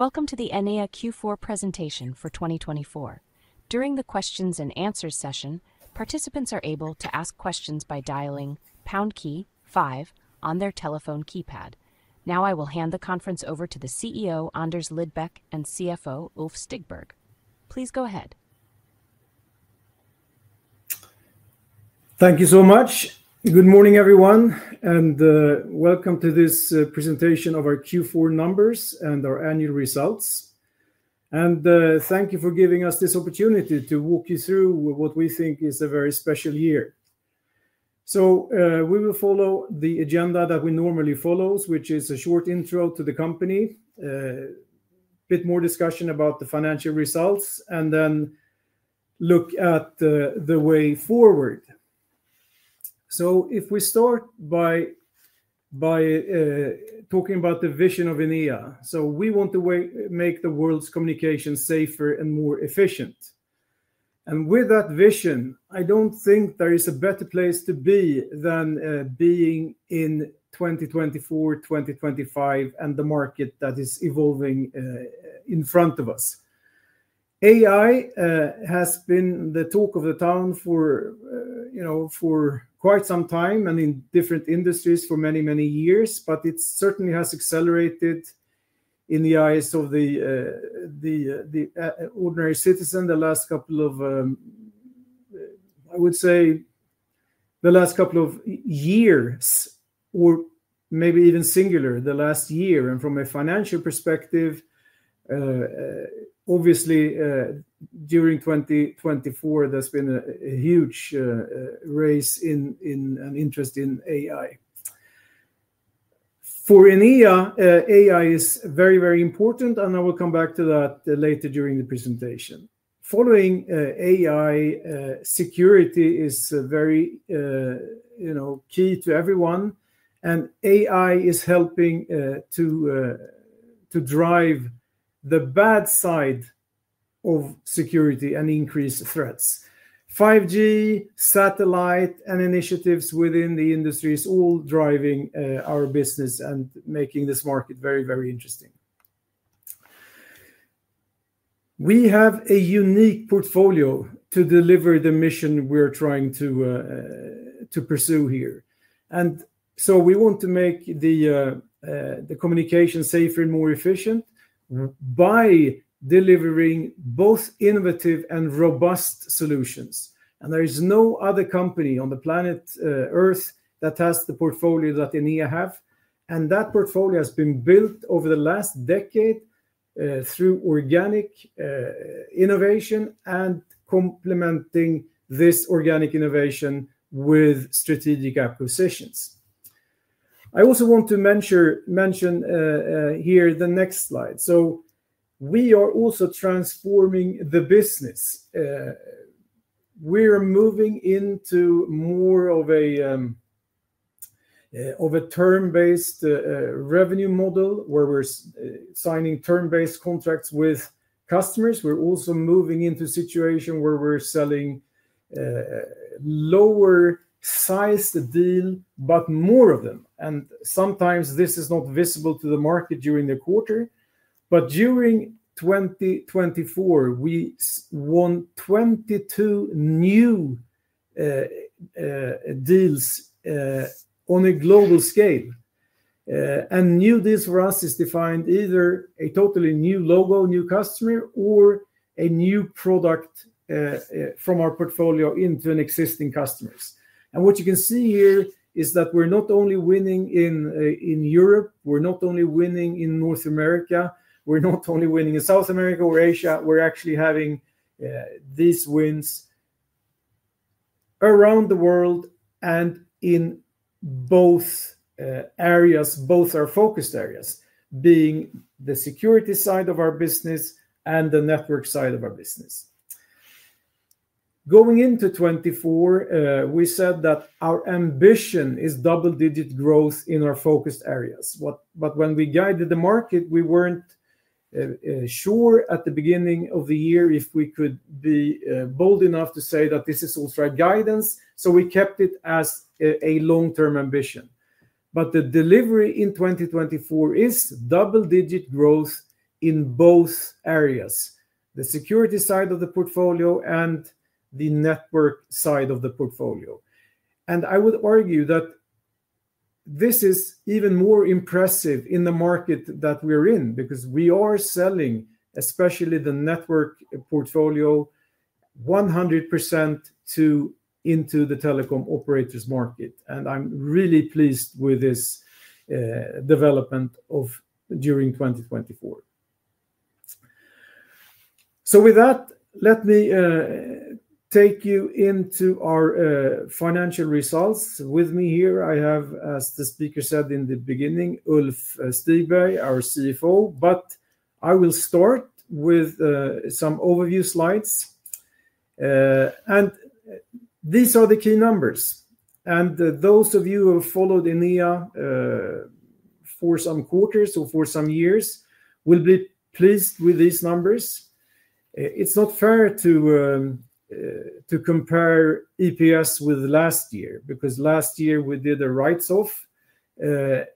Welcome to the Enea Q4 presentation for 2024. During the Q&A session, participants are able to ask questions by dialing pound key five on their telephone keypad. Now I will hand the conference over to the CEO Anders Lidbeck and CFO Ulf Stigberg. Please go ahead. Thank you so much. Good morning, everyone, and welcome to this presentation of our Q4 numbers and our annual results, and thank you for giving us this opportunity to walk you through what we think is a very special year, so we will follow the agenda that we normally follow, which is a short intro to the company, a bit more discussion about the financial results, and then look at the way forward, so if we start by talking about the vision of Enea, we want to make the world's communication safer and more efficient, and with that vision, I don't think there is a better place to be than being in 2024, 2025, and the market that is evolving in front of us. AI has been the talk of the town for quite some time and in different industries for many, many years, but it certainly has accelerated in the eyes of the ordinary citizen the last couple of, I would say, the last couple of years, or maybe even singular, the last year. From a financial perspective, obviously, during 2024, there's been a huge rise in interest in AI. For Enea, AI is very, very important, and I will come back to that later during the presentation. Following AI, security is very key to everyone, and AI is helping to drive the bad side of security and increase threats. 5G, satellite, and initiatives within the industry are all driving our business and making this market very, very interesting. We have a unique portfolio to deliver the mission we're trying to pursue here. And so we want to make the communication safer and more efficient by delivering both innovative and robust solutions. And there is no other company on the planet Earth that has the portfolio that Enea has. And that portfolio has been built over the last decade through organic innovation and complementing this organic innovation with strategic acquisitions. I also want to mention here the next slide. So we are also transforming the business. We are moving into more of a term-based revenue model where we're signing term-based contracts with customers. We're also moving into a situation where we're selling lower-sized deals, but more of them. And sometimes this is not visible to the market during the quarter. But during 2024, we won 22 new deals on a global scale. New deals for us is defined either a totally new logo, new customer, or a new product from our portfolio into an existing customer's. What you can see here is that we're not only winning in Europe, we're not only winning in North America, we're not only winning in South America or Asia. We're actually having these wins around the world and in both areas, both our focused areas, being the security side of our business and the network side of our business. Going into 2024, we said that our ambition is double-digit growth in our focused areas. When we guided the market, we weren't sure at the beginning of the year if we could be bold enough to say that this is also our guidance. We kept it as a long-term ambition. The delivery in 2024 is double-digit growth in both areas, the security side of the portfolio and the network side of the portfolio. I would argue that this is even more impressive in the market that we're in because we are selling, especially the network portfolio, 100% into the telecom operators market. I'm really pleased with this development during 2024. With that, let me take you into our financial results. With me here, I have, as the speaker said in the beginning, Ulf Stigberg, our CFO. I will start with some overview slides. These are the key numbers. Those of you who have followed Enea for some quarters or for some years will be pleased with these numbers. It's not fair to compare EPS with last year because last year we did a write-off after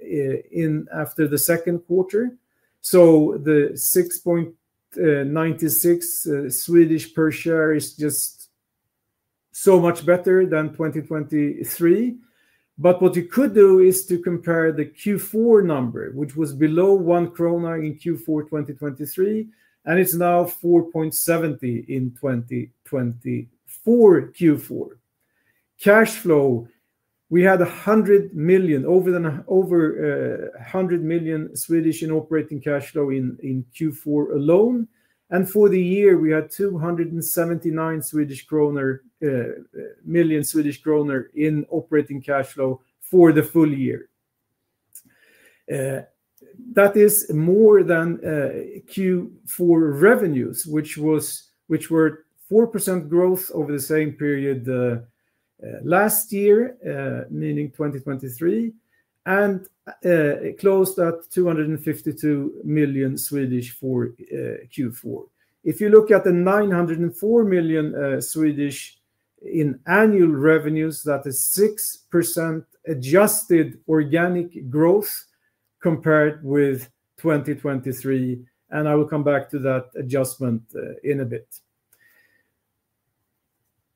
the second quarter. The 6.96 per share is just so much better than 2023. What you could do is to compare the Q4 number, which was below 1 krona in Q4 2023, and it's now 4.70 in 2024 Q4. Cash flow, we had 100 million, over 100 million in operating cash flow in Q4 alone. For the year, we had 279 million Swedish kronor in operating cash flow for the full year. That is more than Q4 revenues, which were 4% growth over the same period last year, meaning 2023, and closed at 252 million for Q4. If you look at the 904 million in annual revenues, that is 6% adjusted organic growth compared with 2023. I will come back to that adjustment in a bit.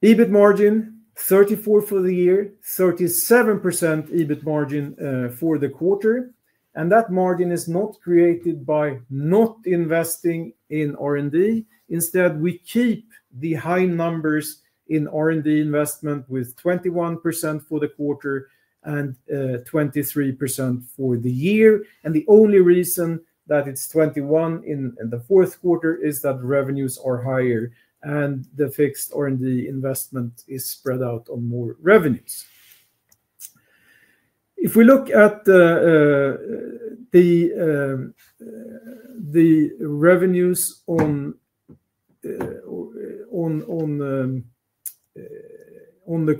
EBIT margin, 34 for the year, 37% EBIT margin for the quarter. That margin is not created by not investing in R&D. Instead, we keep the high numbers in R&D investment with 21% for the quarter and 23% for the year. The only reason that it's 21% in the fourth quarter is that revenues are higher and the fixed R&D investment is spread out on more revenues. If we look at the revenues on the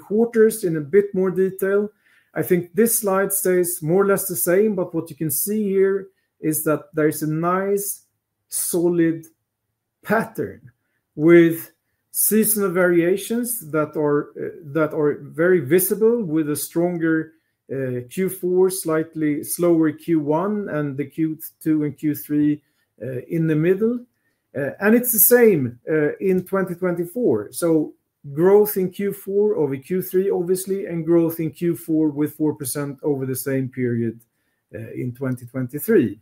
quarters in a bit more detail, I think this slide stays more or less the same. What you can see here is that there's a nice solid pattern with seasonal variations that are very visible with a stronger Q4, slightly slower Q1, and the Q2 and Q3 in the middle. It's the same in 2024. Growth in Q4 over Q3, obviously, and growth in Q4 with 4% over the same period in 2023.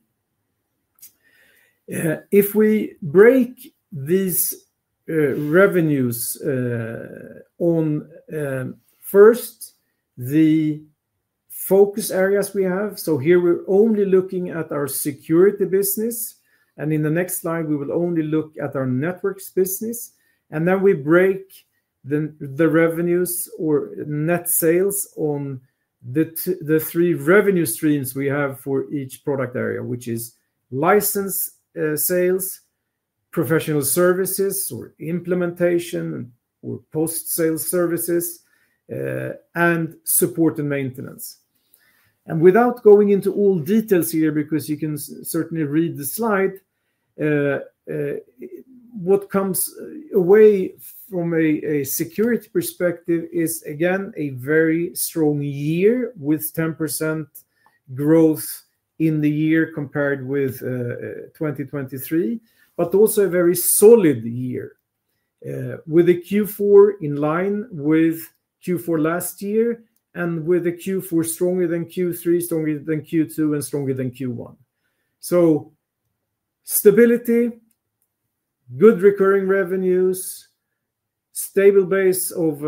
If we break these revenues down first on the focus areas we have, so here we're only looking at our security business, and in the next slide, we will only look at our networks business, and then we break the revenues or net sales on the three revenue streams we have for each product area, which is license sales, professional services or implementation or post-sale services, and support and maintenance, and without going into all details here because you can certainly read the slide, what comes away from a security perspective is, again, a very strong year with 10% growth in the year compared with 2023, but also a very solid year with a Q4 in line with Q4 last year and with a Q4 stronger than Q3, stronger than Q2, and stronger than Q1. Stability, good recurring revenues, stable base of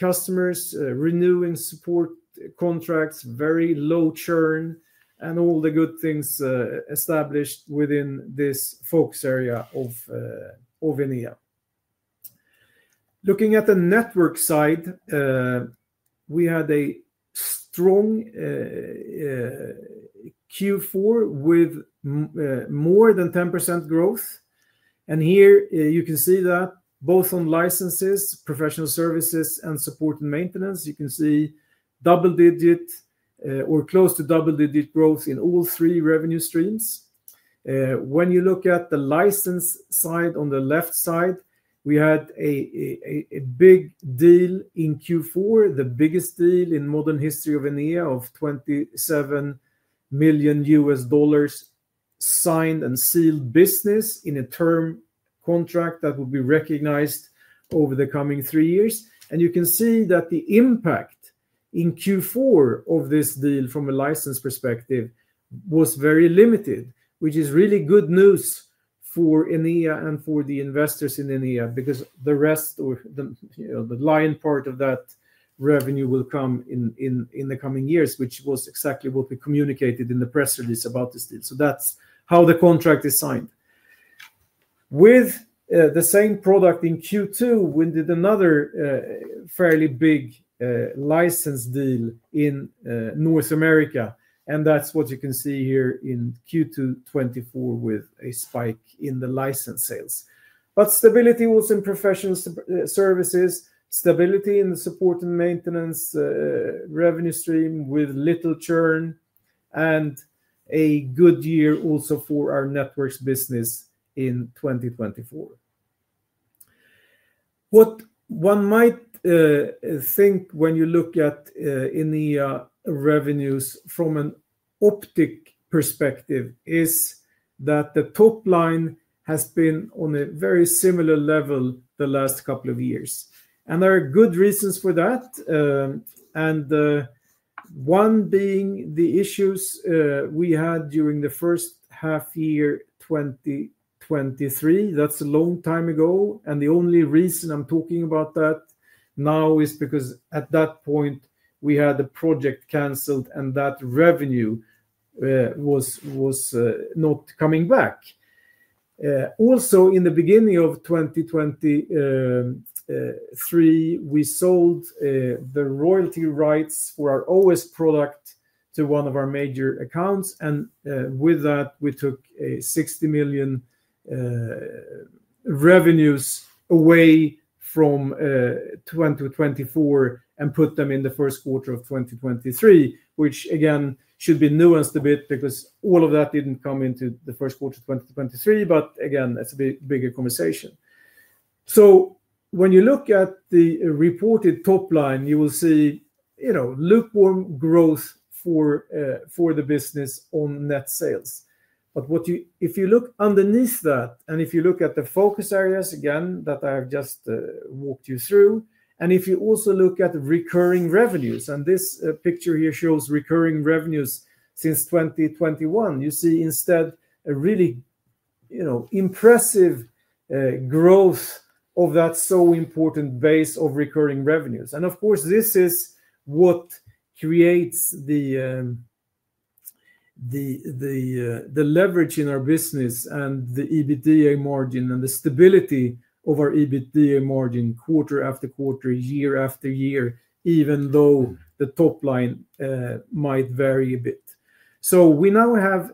customers, renewing support contracts, very low churn, and all the good things established within this focus area of Enea. Looking at the network side, we had a strong Q4 with more than 10% growth. Here you can see that both on licenses, professional services, and support and maintenance, you can see double-digit or close to double-digit growth in all three revenue streams. When you look at the license side on the left side, we had a big deal in Q4, the biggest deal in modern history of Enea of $27 million signed and sealed business in a term contract that will be recognized over the coming three years. You can see that the impact in Q4 of this deal from a license perspective was very limited, which is really good news for Enea and for the investors in Enea because the rest or the lion part of that revenue will come in the coming years, which was exactly what we communicated in the press release about this deal. That's how the contract is signed. With the same product in Q2, we did another fairly big license deal in North America. That's what you can see here in Q2 2024 with a spike in the license sales. Stability was in professional services, stability in the support and maintenance revenue stream with little churn and a good year also for our networks business in 2024. What one might think when you look at Enea revenues from an optic perspective is that the top line has been on a very similar level the last couple of years. And there are good reasons for that. And one being the issues we had during the first half year 2023. That's a long time ago. And the only reason I'm talking about that now is because at that point, we had a project canceled and that revenue was not coming back. Also, in the beginning of 2023, we sold the royalty rights for our OS product to one of our major accounts. And with that, we took 60 million revenues away from 2024 and put them in the first quarter of 2023, which again should be nuanced a bit because all of that didn't come into the first quarter of 2023. But again, it's a bigger conversation. So when you look at the reported top line, you will see lukewarm growth for the business on net sales. But if you look underneath that, and if you look at the focus areas again that I have just walked you through, and if you also look at recurring revenues, and this picture here shows recurring revenues since 2021, you see instead a really impressive growth of that so important base of recurring revenues. And of course, this is what creates the leverage in our business and the EBITDA margin and the stability of our EBITDA margin quarter after quarter, year after year, even though the top line might vary a bit. So we now have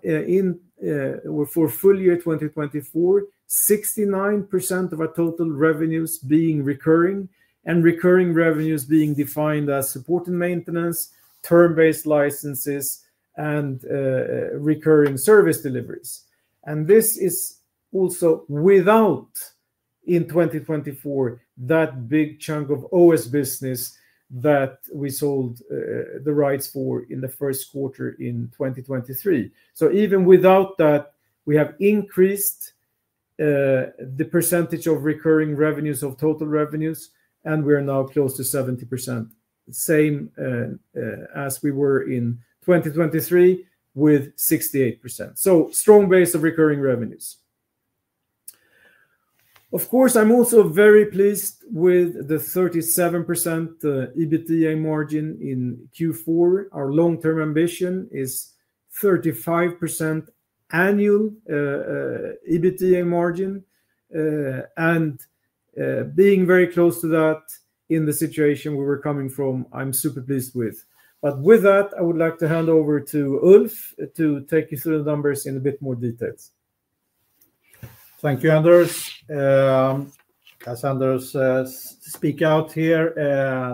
for full year 2024, 69% of our total revenues being recurring and recurring revenues being defined as support and maintenance, term-based licenses, and recurring service deliveries. This is also without, in 2024, that big chunk of OS business that we sold the rights for in the first quarter in 2023. Even without that, we have increased the percentage of recurring revenues of total revenues, and we are now close to 70%, same as we were in 2023 with 68%. Strong base of recurring revenues. Of course, I'm also very pleased with the 37% EBITDA margin in Q4. Our long-term ambition is 35% annual EBITDA margin. Being very close to that in the situation we were coming from, I'm super pleased with. With that, I would like to hand over to Ulf to take you through the numbers in a bit more detail. Thank you, Anders. As Anders spoke about here,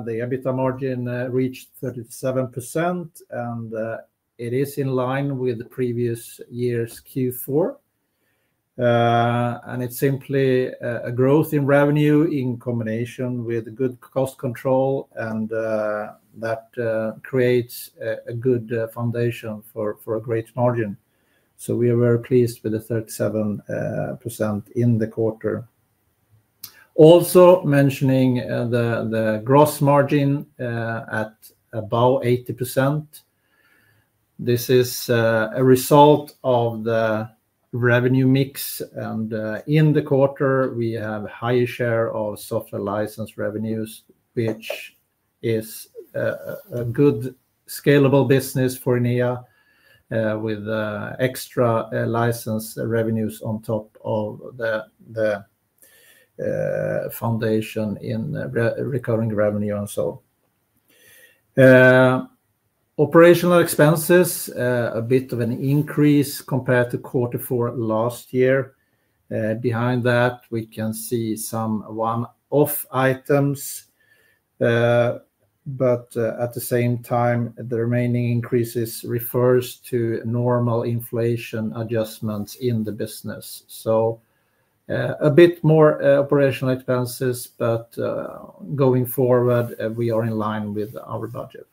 the EBITDA margin reached 37%, and it is in line with the previous year's Q4. It's simply a growth in revenue in combination with good cost control, and that creates a good foundation for a great margin. We are very pleased with the 37% in the quarter. Also mentioning the gross margin at about 80%. This is a result of the revenue mix. In the quarter, we have a higher share of software license revenues, which is a good scalable business for Enea with extra license revenues on top of the foundation in recurring revenue and so on. Operational expenses, a bit of an increase compared to quarter four last year. Behind that, we can see some one-off items, but at the same time, the remaining increases refers to normal inflation adjustments in the business. A bit more operational expenses, but going forward, we are in line with our budget.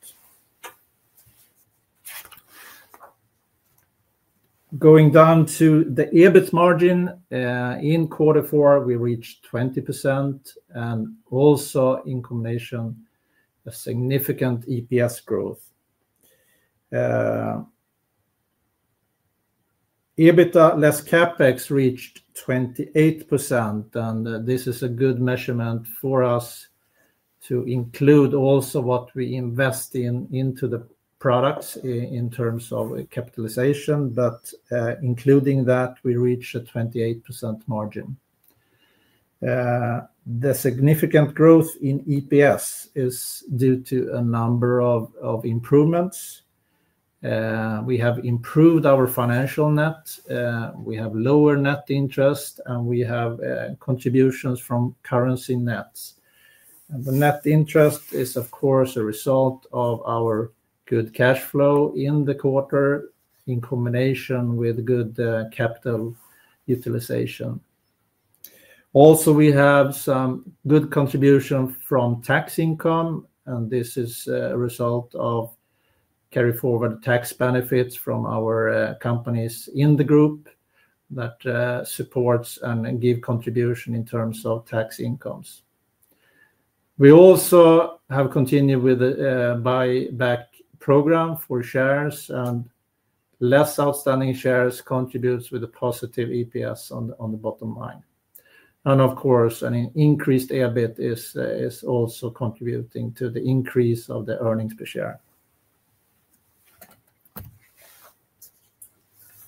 Going down to the EBIT margin, in quarter four, we reached 20% and also in combination a significant EPS growth. EBITDA less CapEx reached 28%, and this is a good measurement for us to include also what we invest in into the products in terms of capitalization. But including that, we reached a 28% margin. The significant growth in EPS is due to a number of improvements. We have improved our financial net. We have lower net interest, and we have contributions from currency nets, and the net interest is, of course, a result of our good cash flow in the quarter in combination with good capital utilization. Also, we have some good contribution from tax income, and this is a result of carry forward tax benefits from our companies in the group that supports and gives contribution in terms of tax incomes. We also have continued with the buyback program for shares, and less outstanding shares contributes with a positive EPS on the bottom line. And of course, an increased EBIT is also contributing to the increase of the earnings per share.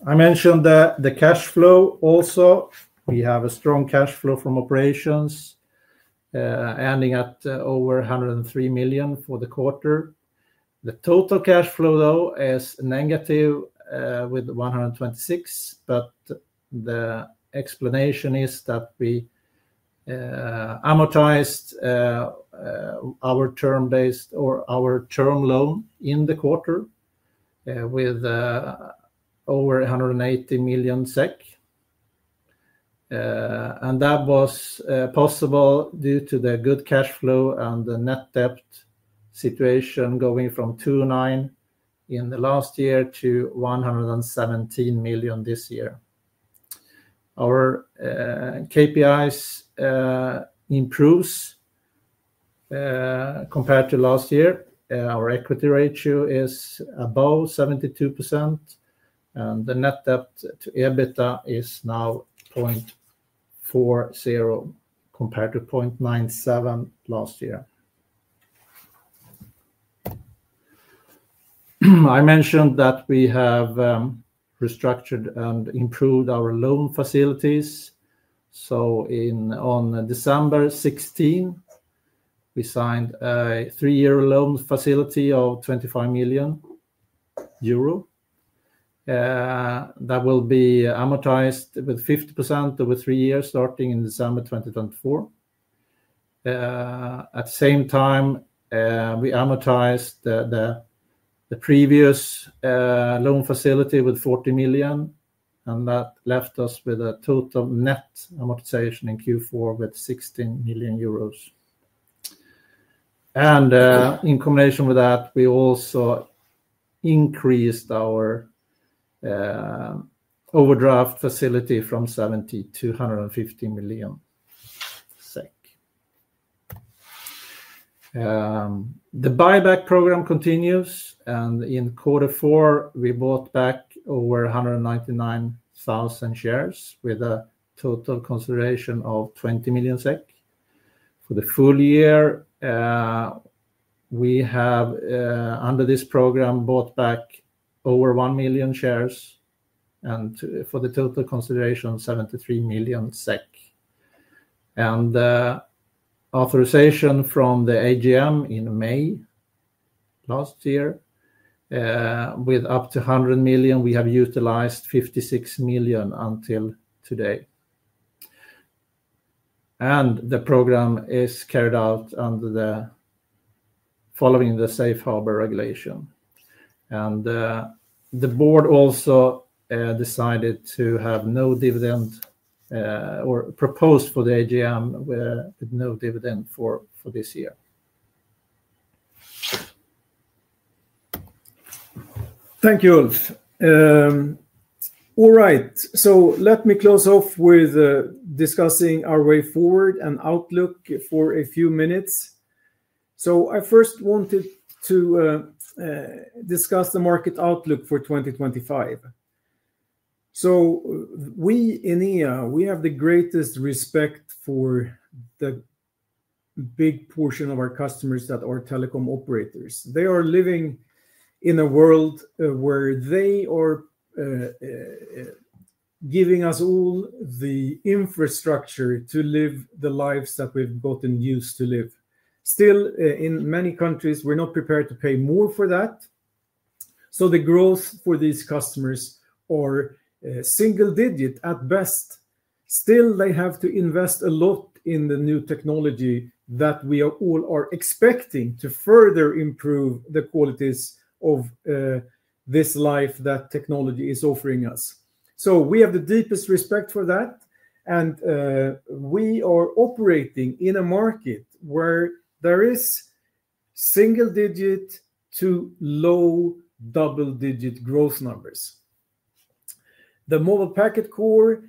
I mentioned the cash flow also. We have a strong cash flow from operations ending at over 103 million for the quarter. The total cash flow, though, is negative with 126 million. But the explanation is that we amortized our term-based or our term loan in the quarter with over 180 million SEK. And that was possible due to the good cash flow and the net debt situation going from 29 million last year to 117 million this year. Our KPIs improved compared to last year. Our equity ratio is above 72%, and the net debt to EBITDA is now 0.40 compared to 0.97 last year. I mentioned that we have restructured and improved our loan facilities. On December 16, we signed a three-year loan facility of 25 million euro. That will be amortized with 50% over three years starting in December 2024. At the same time, we amortized the previous loan facility with 40 million, and that left us with a total net amortization in Q4 with 16 million euros. In combination with that, we also increased our overdraft facility from 70 million-150 million SEK. The buyback program continues, and in quarter four, we bought back over 199,000 shares with a total consideration of 20 million SEK. For the full year, we have, under this program, bought back over one million shares and for the total consideration, 73 million SEK. Authorization from the AGM in May last year with up to 100 million, we have utilized 56 million until today. The program is carried out under the Safe Harbor Regulation. The board also decided to have no dividend and proposed for the AGM with no dividend for this year. Thank you, Ulf. All right. Let me close off with discussing our way forward and outlook for a few minutes. I first wanted to discuss the market outlook for 2025. We in Enea, we have the greatest respect for the big portion of our customers that are telecom operators. They are living in a world where they are giving us all the infrastructure to live the lives that we've gotten used to live. Still, in many countries, we're not prepared to pay more for that. The growth for these customers are single digit at best. Still, they have to invest a lot in the new technology that we all are expecting to further improve the qualities of this life that technology is offering us. So we have the deepest respect for that. And we are operating in a market where there is single digit to low double digit growth numbers. The mobile packet core,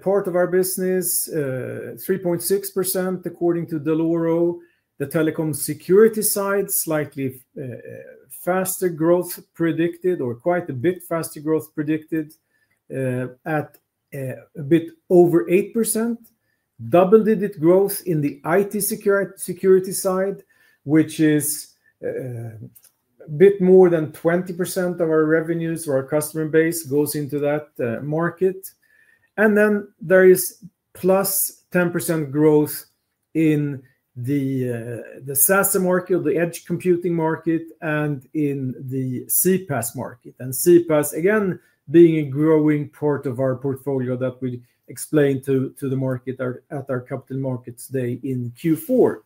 part of our business, 3.6% according to Dell'Oro. The telecom security side, slightly faster growth predicted or quite a bit faster growth predicted at a bit over 8%. Double digit growth in the IT security side, which is a bit more than 20% of our revenues or our customer base goes into that market. And then there is plus 10% growth in the SASE market, the edge computing market, and in the CPaaS market. And CPaaS, again, being a growing part of our portfolio that we explained to the market at our capital markets day in Q4.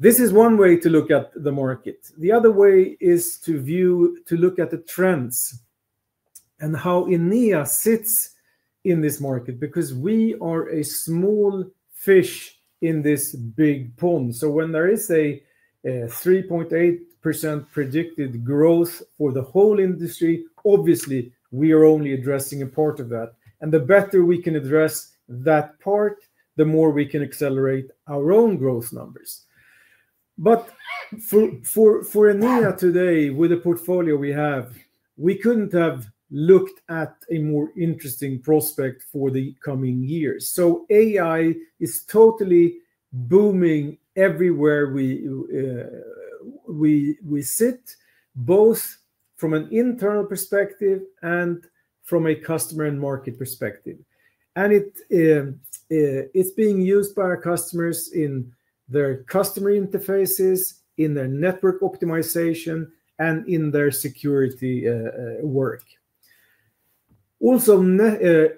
This is one way to look at the market. The other way is to view, to look at the trends and how Enea sits in this market because we are a small fish in this big pond. So when there is a 3.8% predicted growth for the whole industry, obviously, we are only addressing a part of that. And the better we can address that part, the more we can accelerate our own growth numbers. But for Enea today, with the portfolio we have, we couldn't have looked at a more interesting prospect for the coming years. So AI is totally booming everywhere we sit, both from an internal perspective and from a customer and market perspective. And it's being used by our customers in their customer interfaces, in their network optimization, and in their security work. Also,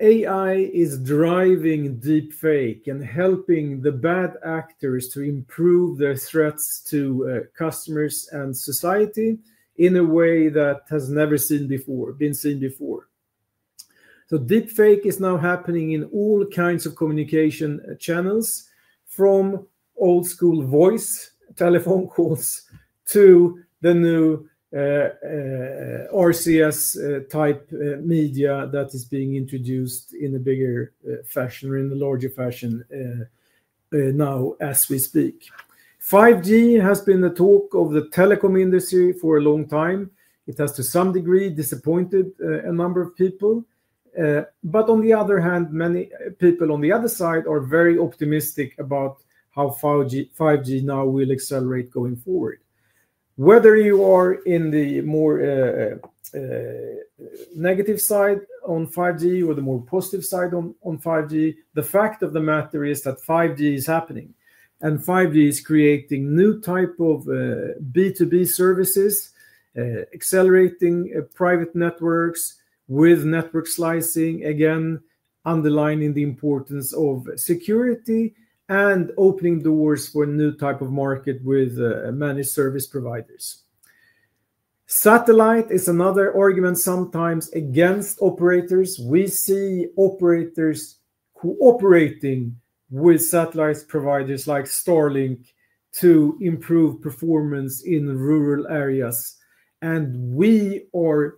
AI is driving deepfake and helping the bad actors to improve their threats to customers and society in a way that has never been seen before. So deepfake is now happening in all kinds of communication channels, from old-school voice telephone calls to the new RCS-type media that is being introduced in a bigger fashion or in a larger fashion now as we speak. 5G has been the talk of the telecom industry for a long time. It has, to some degree, disappointed a number of people. But on the other hand, many people on the other side are very optimistic about how 5G now will accelerate going forward. Whether you are in the more negative side on 5G or the more positive side on 5G, the fact of the matter is that 5G is happening, and 5G is creating new types of B2B services, accelerating private networks with network slicing, again, underlining the importance of security and opening doors for a new type of market with managed service providers. Satellite is another argument sometimes against operators. We see operators cooperating with satellite providers like Starlink to improve performance in rural areas, and we can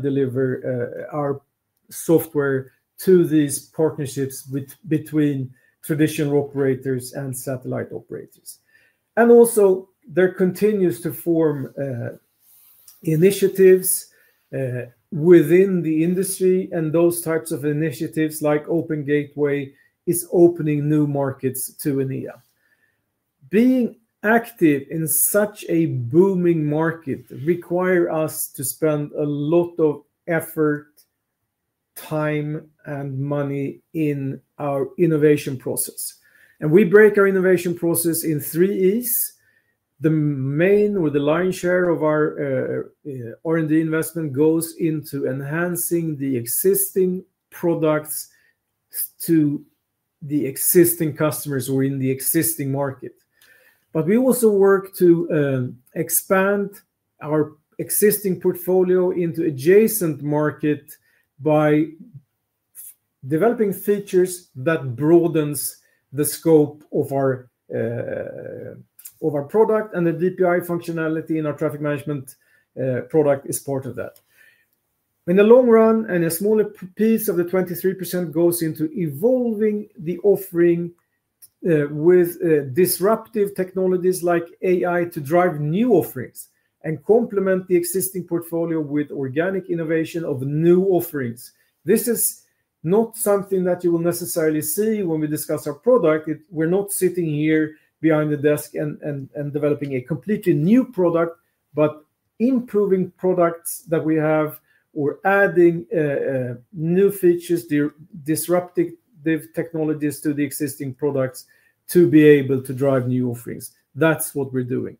deliver our software to these partnerships between traditional operators and satellite operators, and also there continues to form initiatives within the industry, and those types of initiatives like Open Gateway are opening new markets to Enea. Being active in such a booming market requires us to spend a lot of effort, time, and money in our innovation process. And we break our innovation process in three E's. The main or the lion's share of our R&D investment goes into enhancing the existing products to the existing customers who are in the existing market. But we also work to expand our existing portfolio into adjacent markets by developing features that broaden the scope of our product, and the DPI functionality in our Traffic Management product is part of that. In the long run, a smaller piece of the 23% goes into evolving the offering with disruptive technologies like AI to drive new offerings and complement the existing portfolio with organic innovation of new offerings. This is not something that you will necessarily see when we discuss our product. We're not sitting here behind the desk and developing a completely new product, but improving products that we have or adding new features, disruptive technologies to the existing products to be able to drive new offerings. That's what we're doing.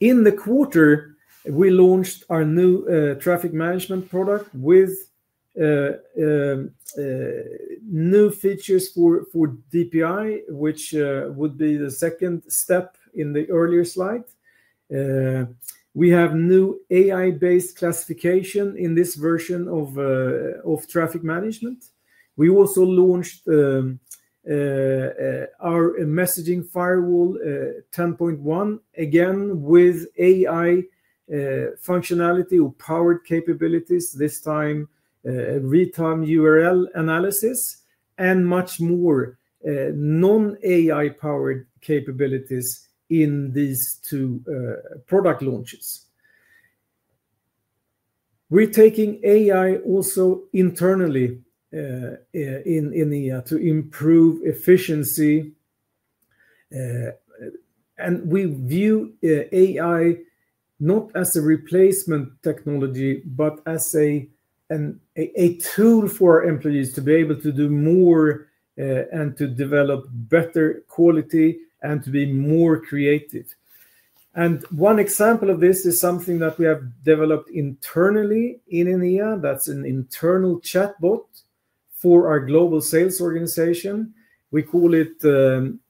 In the quarter, we launched our new Traffic Management product with new features for DPI, which would be the second step in the earlier slide. We have new AI-based classification in this version of Traffic Management. We also launched our Messaging Firewall 10.1, again, with AI functionality or powered capabilities, this time real-time URL analysis and much more non-AI powered capabilities in these two product launches. We're taking AI also internally in Enea to improve efficiency. And we view AI not as a replacement technology, but as a tool for our employees to be able to do more and to develop better quality and to be more creative. One example of this is something that we have developed internally in Enea. That's an internal chatbot for our global sales organization. We call it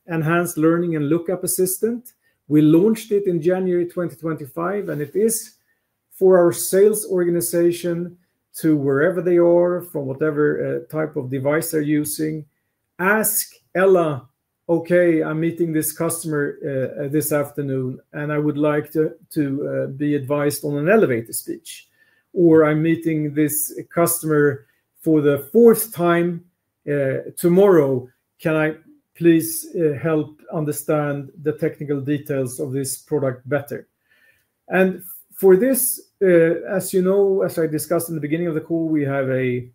Enhanced Learning and Lookup Assistant. We launched it in January 2025, and it is for our sales organization to wherever they are, from whatever type of device they're using. Ask Ella, "Okay, I'm meeting this customer this afternoon, and I would like to be advised on an elevator speech." Or, "I'm meeting this customer for the fourth time tomorrow. Can I please help understand the technical details of this product better?" For this, as you know, as I discussed in the beginning of the call, we have a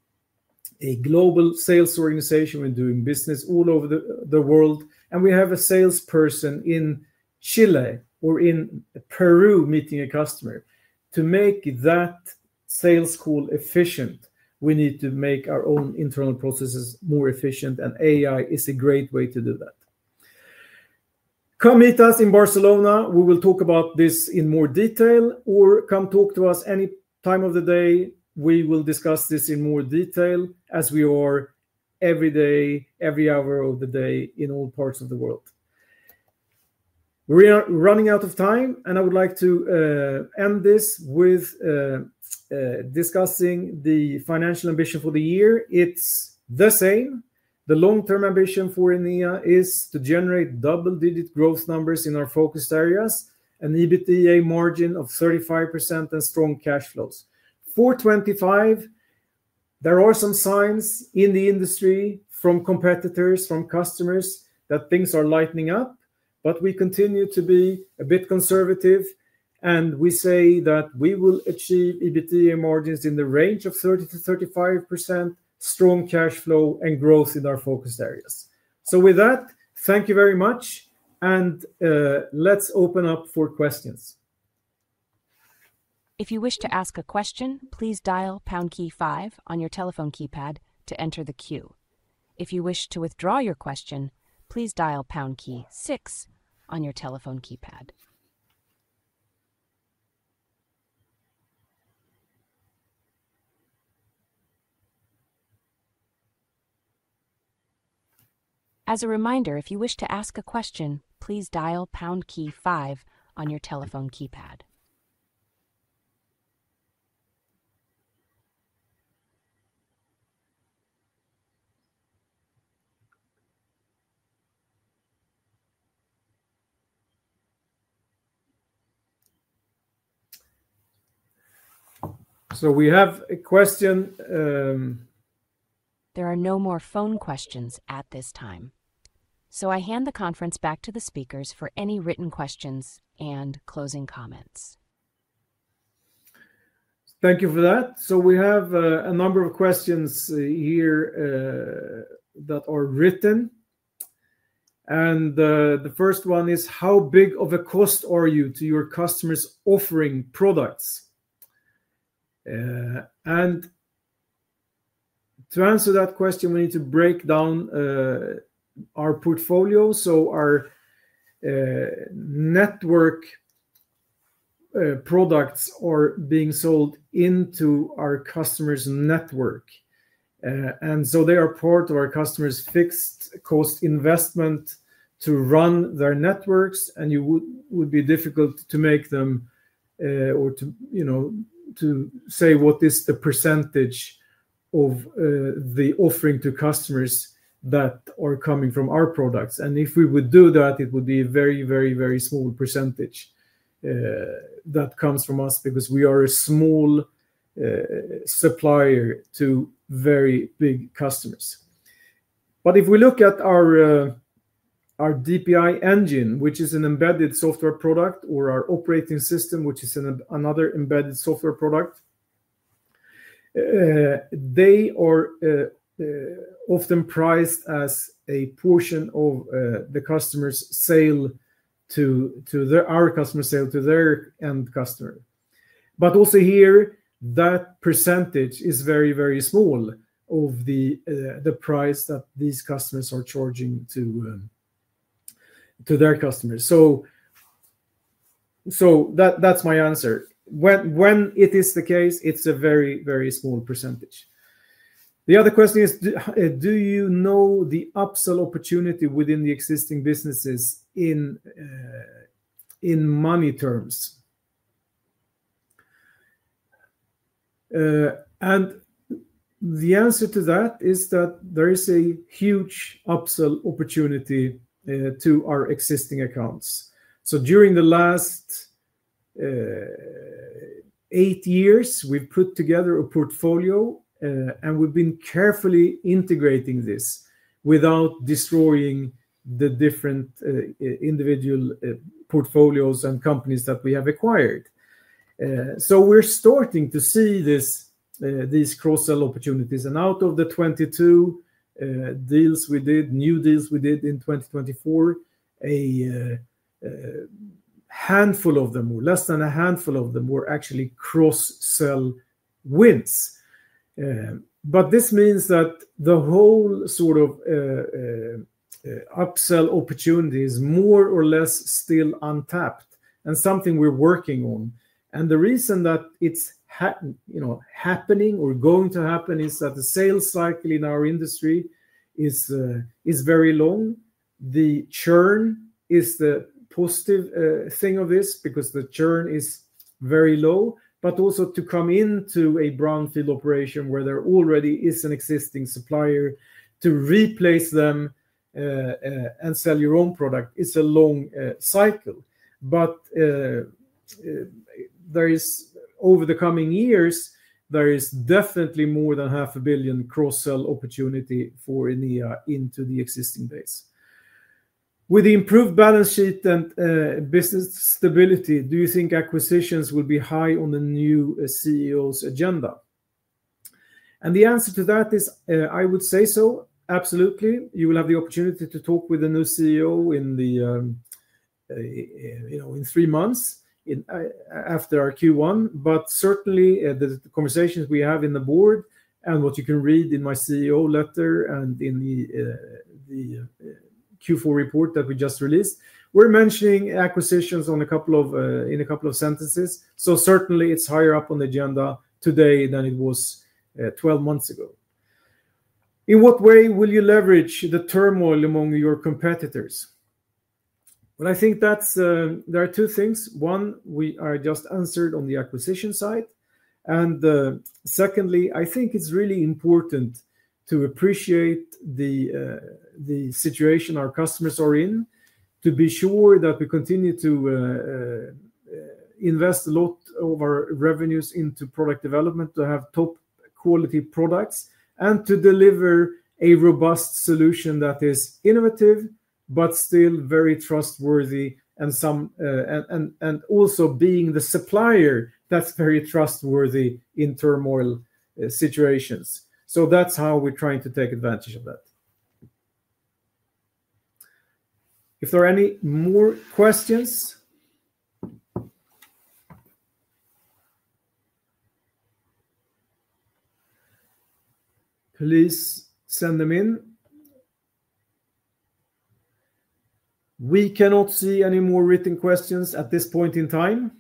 global sales organization. We're doing business all over the world, and we have a salesperson in Chile or in Peru meeting a customer. To make that sales call efficient, we need to make our own internal processes more efficient, and AI is a great way to do that. Come meet us in Barcelona. We will talk about this in more detail or come talk to us any time of the day. We will discuss this in more detail as we are every day, every hour of the day in all parts of the world. We're running out of time, and I would like to end this with discussing the financial ambition for the year. It's the same. The long-term ambition for Enea is to generate double-digit growth numbers in our focused areas, an EBITDA margin of 35%, and strong cash flows. For 2025, there are some signs in the industry from competitors, from customers that things are lightening up, but we continue to be a bit conservative, and we say that we will achieve EBITDA margins in the range of 30%-35%, strong cash flow, and growth in our focused areas. So with that, thank you very much, and let's open up for questions. If you wish to ask a question, please dial pound key five on your telephone keypad to enter the queue. If you wish to withdraw your question, please dial pound key six on your telephone keypad. As a reminder, if you wish to ask a question, please dial pound key five on your telephone keypad. So we have a question. There are no more phone questions at this time. So I hand the conference back to the speakers for any written questions and closing comments. Thank you for that. So we have a number of questions here that are written. And the first one is, "How big of a cost are you to your customers offering products?" And to answer that question, we need to break down our portfolio. So our network products are being sold into our customers' network. And so they are part of our customers' fixed cost investment to run their networks. And it would be difficult to make them or to say what is the percentage of the offering to customers that are coming from our products. And if we would do that, it would be a very, very, very small percentage that comes from us because we are a small supplier to very big customers. But if we look at our DPI engine, which is an embedded software product, or our operating system, which is another embedded software product, they are often priced as a portion of the customer's sale to our customer's sale to their end customer. But also here, that percentage is very, very small of the price that these customers are charging to their customers. So that's my answer. When it is the case, it's a very, very small percentage. The other question is, "Do you know the upsell opportunity within the existing businesses in money terms?" And the answer to that is that there is a huge upsell opportunity to our existing accounts. So during the last eight years, we've put together a portfolio, and we've been carefully integrating this without destroying the different individual portfolios and companies that we have acquired. So we're starting to see these cross-sell opportunities. And out of the 22 deals we did, new deals we did in 2024, a handful of them, or less than a handful of them, were actually cross-sell wins. But this means that the whole sort of upsell opportunity is more or less still untapped and something we're working on. And the reason that it's happening or going to happen is that the sales cycle in our industry is very long. The churn is the positive thing of this because the churn is very low. But also to come into a brownfield operation where there already is an existing supplier to replace them and sell your own product is a long cycle. But over the coming years, there is definitely more than 500 million cross-sell opportunity for Enea into the existing base. With the improved balance sheet and business stability, do you think acquisitions will be high on the new CEO's agenda? And the answer to that is, I would say so, absolutely. You will have the opportunity to talk with the new CEO in three months after our Q1. But certainly, the conversations we have in the board and what you can read in my CEO letter and in the Q4 report that we just released, we're mentioning acquisitions in a couple of sentences. So certainly, it's higher up on the agenda today than it was 12 months ago. In what way will you leverage the turmoil among your competitors? Well, I think there are two things. One, we are just uncertain on the acquisition side. And secondly, I think it's really important to appreciate the situation our customers are in, to be sure that we continue to invest a lot of our revenues into product development, to have top-quality products, and to deliver a robust solution that is innovative but still very trustworthy and also being the supplier that's very trustworthy in turmoil situations. So that's how we're trying to take advantage of that. If there are any more questions, please send them in. We cannot see any more written questions at this point in time.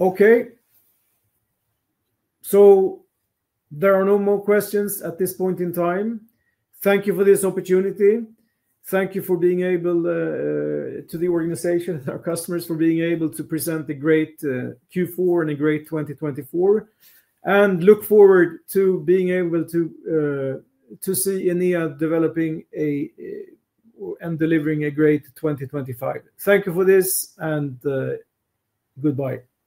Okay. So there are no more questions at this point in time. Thank you for this opportunity. Thank you to the organization and our customers for being able to present a great Q4 and a great 2024. And look forward to being able to see Enea developing and delivering a great 2025. Thank you for this, and goodbye.